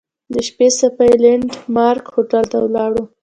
د شپې صافي لینډ مارک هوټل ته ولاړو.